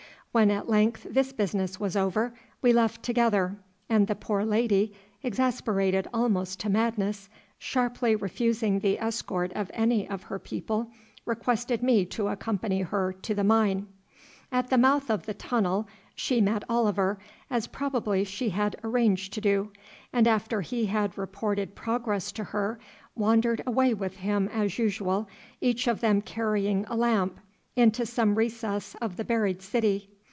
When at length this business was over we left together, and the poor lady, exasperated almost to madness, sharply refusing the escort of any of her people, requested me to accompany her to the mine. At the mouth of the tunnel she met Oliver, as probably she had arranged to do, and after he had reported progress to her, wandered away with him as usual, each of them carrying a lamp, into some recess of the buried city.